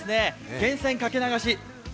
源泉かけ流し。